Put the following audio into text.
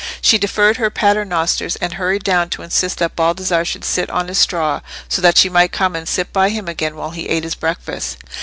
She deferred her paternosters, and hurried down to insist that Baldassarre should sit on his straw, so that she might come and sit by him again while he ate his breakfast.